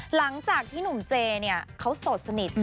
หลังจากที่หนุ่มเจเนี่ยเขาโสดสนิท